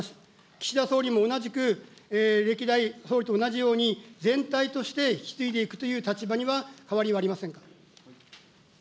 岸田総理も同じく歴代総理と同じように、全体として引き継いでいくという立場には変わりはありま